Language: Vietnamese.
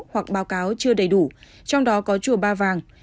hoặc báo cáo chưa đầy đủ trong đó có chùa ba vàng